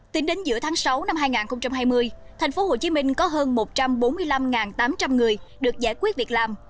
tính đến giữa tháng sáu năm hai nghìn hai mươi tp hcm có hơn một trăm bốn mươi năm tám trăm linh người được giải quyết việc làm